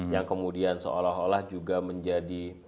yang kemudian seolah olah juga menjadi